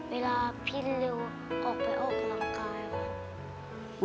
เวลาพี่เร็วออกไปออกกำลังกายค่ะ